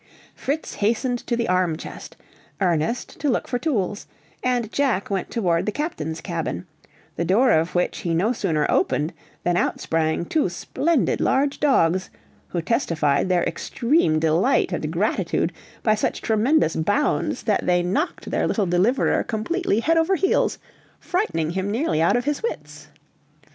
Fritz hastened to the arm chest, Ernest to look for tools: and Jack went toward the captain's cabin, the door of which he no sooner opened than out sprang two splendid large dogs, who testified their extreme delight and gratitude by such tremendous bounds that they knocked their little deliverer completely head over heels, frightening him nearly out of his wits.